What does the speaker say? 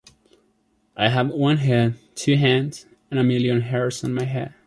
I have one head, two hands, and a million hairs on my head.